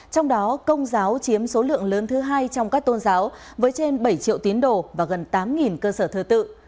trong đó công giáo chiếm số lượng lớn thứ hai trong các tôn giáo với trên bảy triệu tiến đồ và gần tám cơ sở thơ tự